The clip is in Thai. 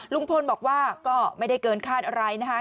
ลุงพลบอกว่าก็ไม่ได้เกินคาดอะไรนะคะ